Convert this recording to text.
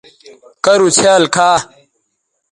کرُو څھیال کھا